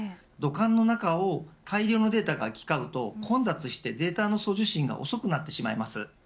土管の中を大量のデータが行き交うと混雑してデータの送受信が遅くなってしまいます。